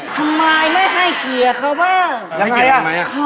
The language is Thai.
ใช่มาแล้วทีหลัก